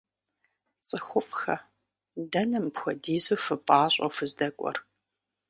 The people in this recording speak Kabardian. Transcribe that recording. ЦӀыхуфӀхэ, дэнэ мыпхуэдизу фыпӀащӀэу фыздэкӀуэр?